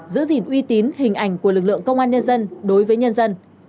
giữ gìn uy tín hình ảnh của lực lượng công an nhân dân đối với nhân dân